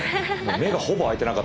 目がほぼ開いてなかったです